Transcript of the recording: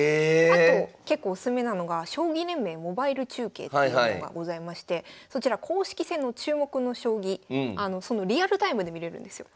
あと結構おすすめなのが将棋連盟モバイル中継っていうのがございましてそちら公式戦の注目の将棋リアルタイムで見れるんですよ。